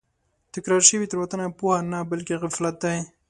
تکرار شوې تېروتنه پوهه نه بلکې غفلت دی.